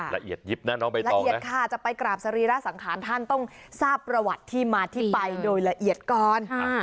ละเอียดยิบนะน้องใบลานละเอียดค่ะจะไปกราบสรีระสังขารท่านต้องทราบประวัติที่มาที่ไปโดยละเอียดก่อน